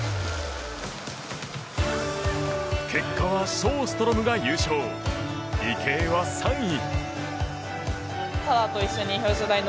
結果はショーストロムが優勝池江は３位。